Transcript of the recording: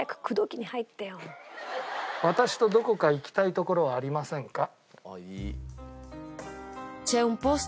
私とどこか行きたい所はありませんか？